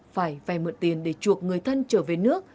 phải vay mượn tiền để chuộc người thân trở về nước